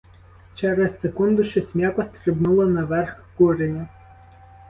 Через секунду щось м'яко стрибнуло на верх куреня.